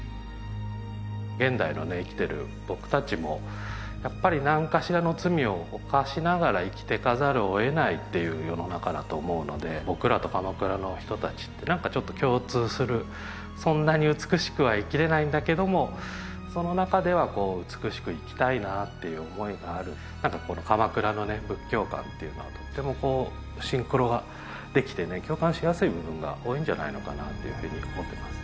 現代のね生きてる僕達もやっぱり何かしらの罪を犯しながら生きていかざるを得ないっていう世の中だと思うので僕らと鎌倉の人達って何かちょっと共通するそんなに美しくは生きれないんだけどもその中ではこう美しく生きたいなっていう思いがある何かこの鎌倉のね仏教感っていうのはとってもこうシンクロができてね共感しやすい部分が多いんじゃないのかなっていうふうに思ってます